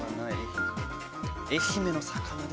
愛媛の魚？